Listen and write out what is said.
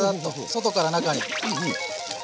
外から中に。